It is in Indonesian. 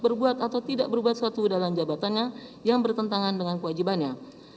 berbuat atau tidak berbuat suatu dalam jabatannya yang bertentangan dengan kewajibannya